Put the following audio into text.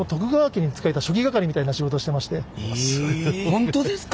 本当ですか！？